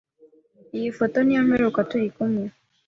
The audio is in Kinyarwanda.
Iyi foto niyo mperuka turi kumwe.